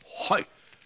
はい。